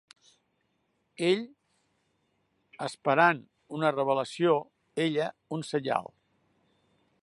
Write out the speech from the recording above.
Ell, esperant una revelació; ella, un senyal.